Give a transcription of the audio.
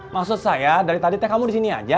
maksud saya dari tadi teh kamu disini aja